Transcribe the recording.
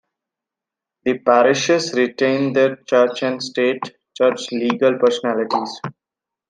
The parishes retain their church and state church legal personality.